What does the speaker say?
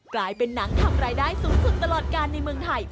กลายเป็นหนังทำรายได้สูงสุดตลอดการในเมืองไทย